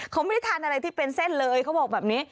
เขาไม่ได้ทานอะไรที่เป็นเส้นเลยเขาบอกแบบนี้